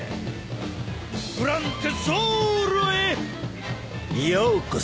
グラン・テゾーロへようこそ！